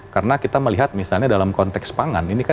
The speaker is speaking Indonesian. karena kita melihat misalnya dalam konteks pangan